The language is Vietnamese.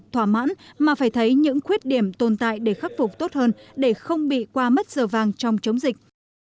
thỏa mãn mà phải thấy những khuyết điểm tồn tại để khắc phục tốt hơn để không bị qua mất giờ vàng trong chống dịch